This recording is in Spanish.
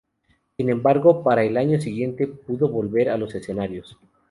Sin embargo, para el año siguiente pudo volver a los escenarios.